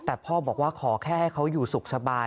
แต่พ่อบอกว่าขอแค่ให้เขาอยู่สุขสบาย